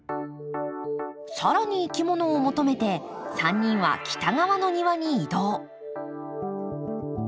更にいきものを求めて３人は北側の庭に移動。